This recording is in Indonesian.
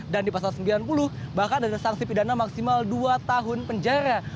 dan di pasal sembilan puluh bahkan ada sangsi pidana maksimal dua tahun penjara